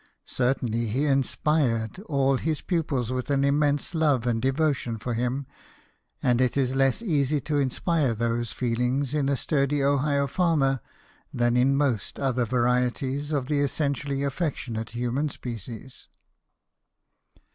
Certainly, he inspired all his pupils with an immense love and devotion for him ; and it is less easy to inspire those feelings in a sturdy Ohio farmer than in most other varieties of the essentially affectionate human species.